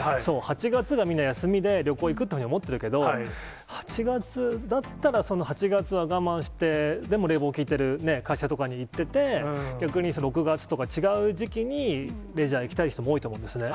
８月は皆休みで、旅行行くというふうに思ってるけど、８月、だったらその８月は我慢して、でも、冷房効いてる会社とかに行ってて、逆に６月とか違う時期に、レジャー行きたい人も多いと思うんですね。